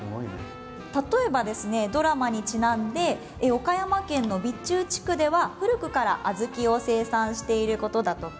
例えばドラマにちなんで岡山県の備中地区では古くから小豆を生産していることだとか